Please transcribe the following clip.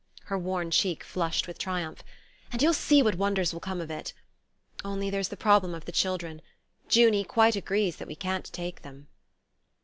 Her worn cheek flushed with triumph. "And you'll see what wonders will come of it.... Only there's the problem of the children. Junie quite agrees that we can't take them...."